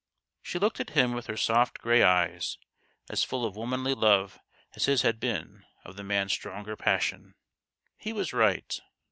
" She looked at him with her soft grey eyes as full of womanly love as his had been of the man's stronger passion. He was right.